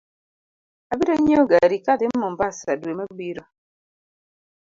Abiro nyieo gari ka adhi mombasa dwe ma biro